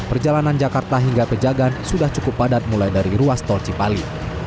perjalanan jakarta hingga pejagan sudah cukup padat mulai dari ruas tol cipali